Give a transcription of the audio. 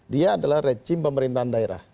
dia adalah rejim pemerintahan daerah